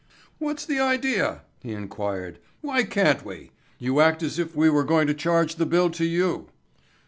"What's the idea?" he inquired. "Why can't we? You act as if we were going to charge the bill to you."